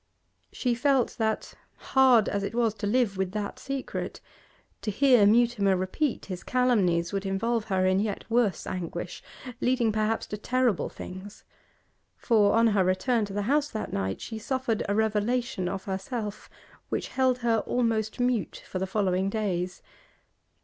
She felt that, hard as it was to live with that secret, to hear Mutimer repeat his calumnies would involve her in yet worse anguish, leading perhaps to terrible things; for, on her return to the house that night, she suffered a revelation of herself, which held her almost mute for the following days.